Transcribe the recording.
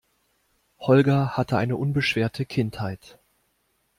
Holger hatte eine unbeschwerte Kindheit.